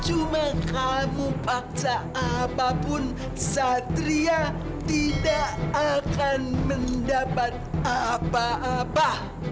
cuma kamu paksa apapun satria tidak akan mendapat apa apa